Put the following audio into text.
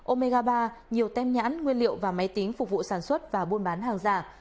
omega ba nhiều tem nhãn nguyên liệu và máy tính phục vụ sản xuất và buôn bán hàng giả